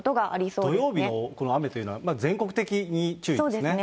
土曜日のこの雨というのは、全国的に注意ですね。